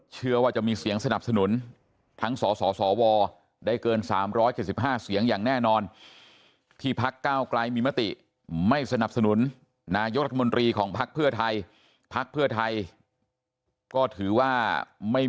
เชื่อว่าจะมีเสียงสนับสนุนทั้งสศศศวได้เกิน๓๗๕เสียงอย่างแน่นอนที่พัก๙กลายมีมติไม่สนับสนุนนายกรัฐมนตรีของพักพภไทยพักพภไทย